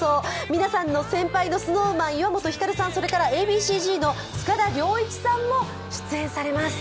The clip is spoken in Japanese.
皆さんの先輩のＳｎｏｗＭａｎの岩本照さん、それからＡ．Ｂ．Ｃ−Ｚの塚田僚一さんも出演されます。